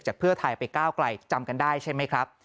เพื่อไทยไปก้าวไกลจำกันได้ใช่ไหมครับ